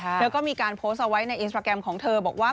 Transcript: แล้วก็มีการโพสต์เอาไว้ในอินสตราแกรมของเธอบอกว่า